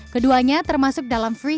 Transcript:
keduanya termasuk dalam freestyle